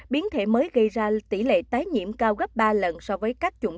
biến thể mới gây ra tỷ lệ tái nhiễm cao gấp ba lần so với các chủng